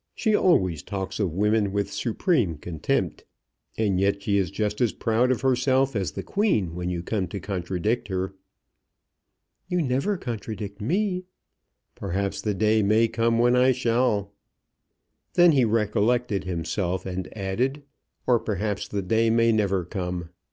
She always talks of women with supreme contempt. And yet she is just as proud of herself as the queen when you come to contradict her." "You never contradict me." "Perhaps the day may come when I shall." Then he recollected himself, and added, "Or perhaps the day may never come.